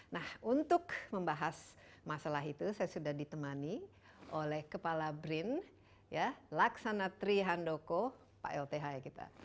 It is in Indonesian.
nah untuk membahas masalah itu saya sudah ditemani oleh kepala brin laksana trihandoko pak lth kita